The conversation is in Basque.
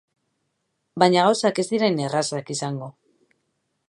Baina gauzak ez dira hain errazak izango.